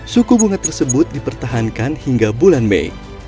suku bunga tersebut dipertahankan hingga bulan mei